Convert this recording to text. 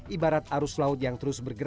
ibarat arus laut yang terus bergerak